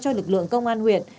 cho lực lượng công an huyện